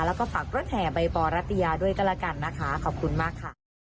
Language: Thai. แล้วก็ฝากรถแห่ใบปอรัตยาด้วยก็แล้วกันนะคะขอบคุณมากค่ะ